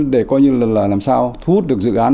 để coi như là làm sao thu hút được dự án